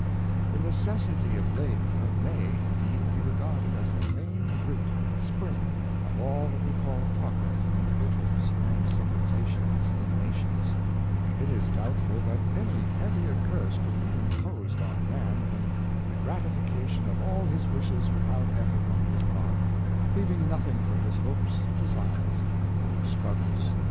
The necessity of labor may, indeed, be regarded as the main root and spring of all that we call progress in individuals, and civilization in nations; and it is doubtful that any heavier curse could be imposed on man than the gratification of all his wishes without ef fort on his part, leaving nothing for his hopes, desires, or struggles.